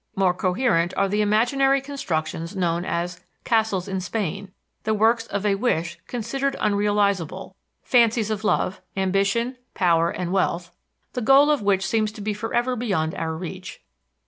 More coherent are the imaginary constructions known as "castles in Spain" the works of a wish considered unrealizable, fancies of love, ambition, power and wealth, the goal of which seems to be forever beyond our reach.